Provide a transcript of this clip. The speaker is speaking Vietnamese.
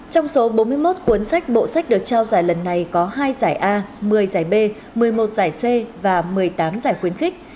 trong số bốn mươi một cuốn sách bộ sách được trao giải lần này có hai giải a một mươi giải b một mươi một giải c và một mươi tám giải khuyến khích